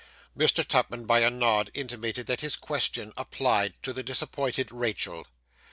Mr. Tupman, by a nod, intimated that his question applied to the disappointed Rachael.